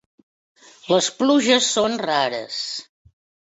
Les pluges són rares.